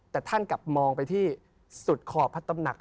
แต่ท่านกลับมองไปที่สุดขอบพระตำหนัก